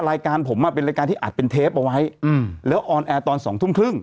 รายการผมอ่ะเป็นรายการที่อัดเป็นเทปเอาไว้อืมแล้วออนแอร์ตอนสองทุ่มครึ่ง